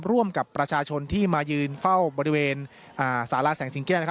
ร่วมกับประชาชนที่มายืนเฝ้าบริเวณสาราแสงสิงแก้ว